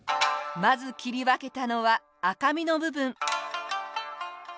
まず切り分けたのは赤身の部分。